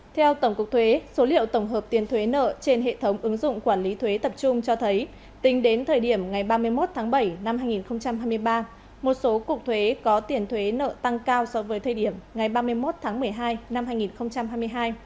theo tổng cục thuế số liệu tổng hợp tiền thuế nợ trên hệ thống ứng dụng quản lý thuế tập trung cho thấy tính đến thời điểm ngày ba mươi một tháng bảy năm hai nghìn hai mươi ba một số cục thuế có tiền thuế nợ tăng cao so với thời điểm ngày ba mươi một tháng một mươi hai năm hai nghìn hai mươi hai